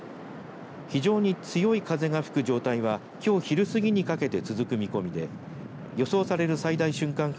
非常に強い風が吹く状態はきょう昼過ぎにかけて続く見込みで予想される最大瞬間